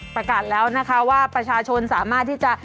ประกาศแล้วนะคะว่าประชาชนสามารถที่จะ